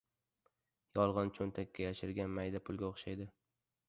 • Yolg‘on cho‘ntakka yashiringan mayda pulga o‘xshaydi.